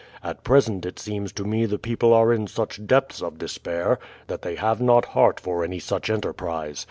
At present it seems to me the people are in such depths of despair, that they have not heart for any such enterprise.